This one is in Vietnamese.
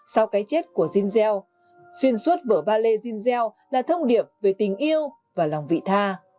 sau cái chết của jean gell xuyên suốt vở ballet jean gell là thông điệp về tình yêu và lòng vị tha